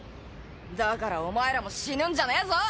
だからお前らも死ぬんじゃねぇぞ。